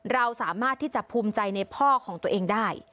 เราสามารถที่จะภูมิใจในพ่อของตัวเองได้